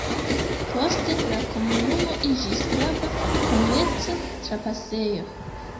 Poste la komunumo iĝis grava komerca trapasejo.